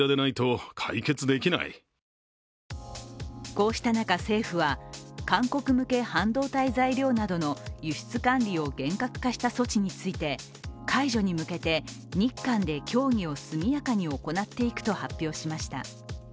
こうした中、政府は韓国向け半導体材料などの輸出管理を厳格化した措置について解除に向けて日韓で協議を速やかに行っていくと発表しました。